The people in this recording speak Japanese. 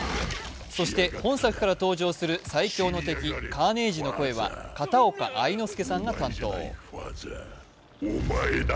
そして本作から登場する最強の敵・カーネイジの声は片岡愛之助さんが担当。